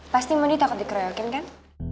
pasti mandi takut dikeroyokin kan